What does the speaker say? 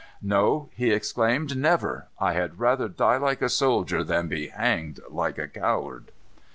"No!" he exclaimed, "never. I had rather die like a soldier than be hanged like a coward."